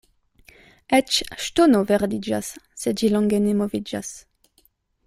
Eĉ ŝtono verdiĝas, se ĝi longe ne moviĝas.